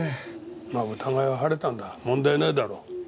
まあ疑いは晴れたんだ問題ないだろう。